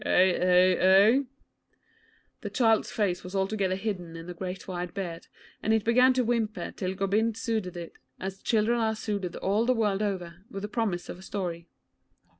Eh, eh, eh?' The child's face was altogether hidden in the great white beard, and it began to whimper till Gobind soothed it as children are soothed all the world over, with the promise of a story.